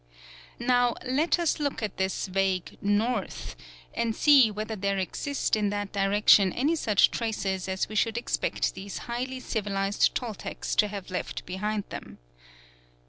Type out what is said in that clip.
Now let us look at this vague north, and see whether there exist in that direction any such traces as we should expect these highly civilised Toltecs to have left behind them.